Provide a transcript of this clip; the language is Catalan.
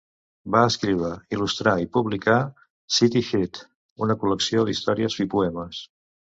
Va escriure, il·lustrar i publicar City Heat, una col·lecció d'històries i poemes.